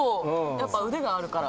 やっぱ腕があるから。